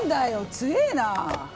強えな。